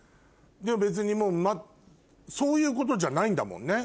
でも別にそういうことじゃないんだもんね。